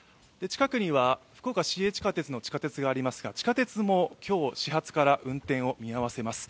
近くには、福岡市営地下鉄の地下鉄がありますが、地下鉄も今日、始発から運転を見合わせます。